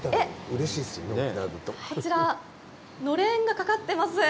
こちら、のれんがかかってます！